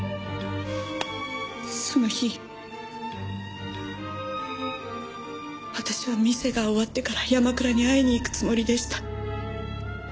その日私は店が終わってから山倉に会いに行くつもりでした。